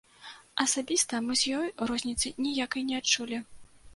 Асабіста мы з ёй розніцы ніякай не адчулі.